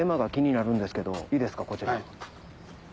いいですかこちら。